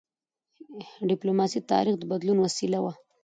ډيپلوماسي د تاریخ د بدلون وسیله وه.